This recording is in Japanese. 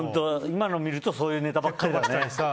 今の見るとそういうネタばっかりだね。